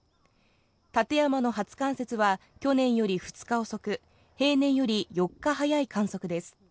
立山の初冠雪は去年より２日遅く、平年より４日早い観測です。